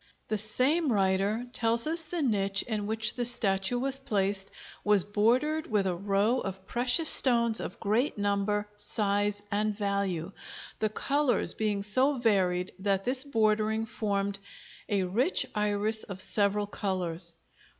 The same writer tells us the niche in which the statue was placed was bordered with a row of precious stones of great number, size, and value, the colors being so varied that this bordering formed "a rich Iris of several colors."